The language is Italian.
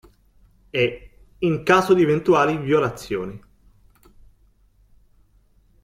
E, in caso di eventuali violazioni.